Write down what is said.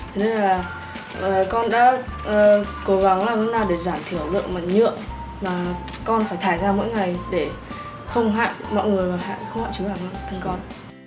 thế nên là con đã cố gắng làm ra để giảm thiểu lượng mặt nhựa mà con phải thải ra mỗi ngày để không hại mọi người và không hại chính bản thân con